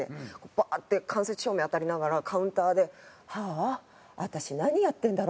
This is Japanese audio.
バーッて間接照明当たりながらカウンターで「はあ私何やってんだろう？」